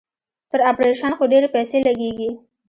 پر اپرېشن خو ډېرې پيسې لگېږي.